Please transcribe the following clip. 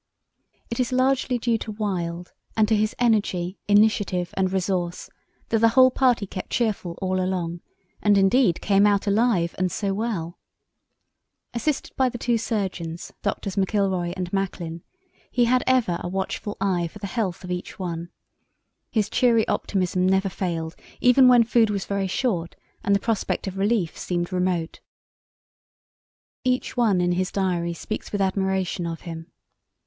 It is largely due to Wild, and to his energy, initiative, and resource, that the whole party kept cheerful all along, and, indeed, came out alive and so well. Assisted by the two surgeons, Drs. McIlroy and Macklin, he had ever a watchful eye for the health of each one. His cheery optimism never failed, even when food was very short and the prospect of relief seemed remote. Each one in his diary speaks with admiration of him.